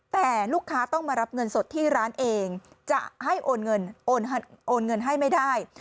แต่ลูกค้าต้องมารับเงินสดที่ร้านเองจะให้โอนเงินโอนเงินให้ไม่ได้